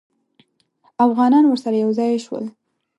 اوغانان ورسره یو ځای شول.